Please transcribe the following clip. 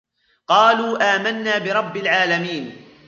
قالوا آمنا برب العالمين